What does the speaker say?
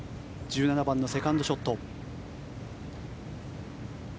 １７番のセカンドショット。